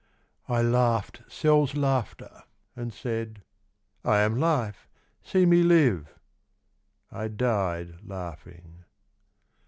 I laughed cells' laughter And said ;" I am life; see me live," 1 died laughing.